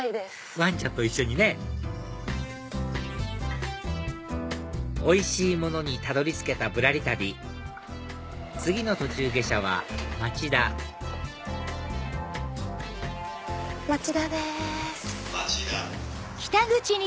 ワンちゃんと一緒にねおいしいものにたどり着けたぶらり旅次の途中下車は町田町田です。